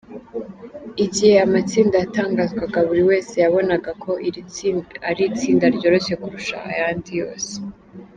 "Igihe amatsinda yatangazwaga, buri wese yabonaga ko iri ari itsinda ryoroshye kurusha ayandi yose.